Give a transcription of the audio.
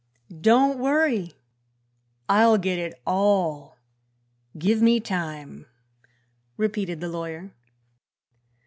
"Don't worry; I'll get it all; give me time," repeated the lawyer.